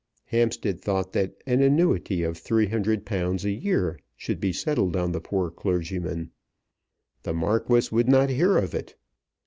Hampstead thought that an annuity of £300 a year should be settled on the poor clergyman. The Marquis would not hear of it.